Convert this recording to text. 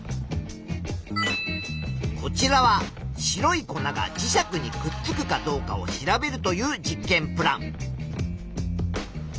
こちらは白い粉が磁石にくっくかどうかを調べるという実験プラン。